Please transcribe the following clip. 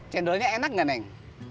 cendolnya enak gak neng